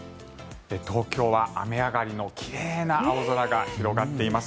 東京は雨上がりの奇麗な青空が広がっています。